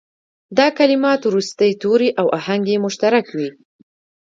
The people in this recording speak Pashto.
دا کلمات وروستي توري او آهنګ یې مشترک وي.